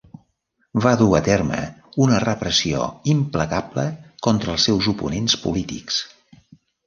Va dur a terme una repressió implacable contra els seus oponents polítics.